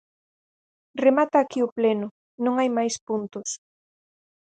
Remata aquí o pleno, non hai máis puntos.